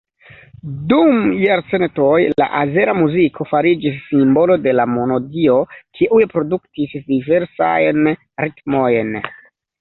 Dum jarcentoj, la azera muziko fariĝis simbolo de la monodio, kiuj produktis diversajn ritmojn.